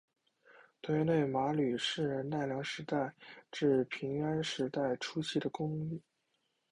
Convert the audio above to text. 藤原内麻吕是奈良时代至平安时代初期的公卿。